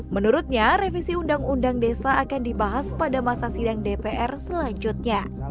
menurutnya revisi undang undang desa akan dibahas pada masa sidang dpr selanjutnya